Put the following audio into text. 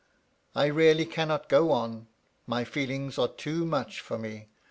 I really cannot go on; my feelings are too much for me.